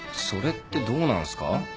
それってどうなんすか？